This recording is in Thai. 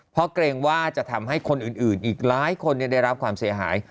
เพราะเกรงว่าจะทำให้คนอื่นอีกหลายคนได้รับความเสียหาย